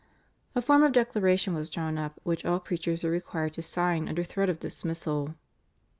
A form of declaration was drawn up which all preachers were required to sign under threat of dismissal.